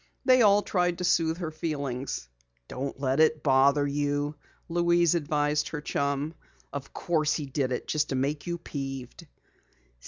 They all tried to soothe her feelings. "Don't let it bother you," Louise advised her chum. "Of course, he did it just to make you peeved."